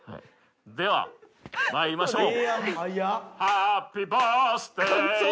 ではまいりましょう。